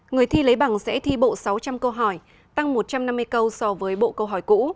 người thi lấy bằng sẽ thi bộ sáu trăm linh câu hỏi tăng một trăm năm mươi câu so với bộ câu hỏi cũ